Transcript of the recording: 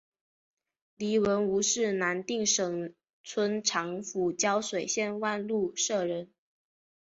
黎文敔是南定省春长府胶水县万禄社人。